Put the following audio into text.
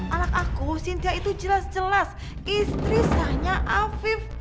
anak aku sintia itu jelas jelas istri sahnya afif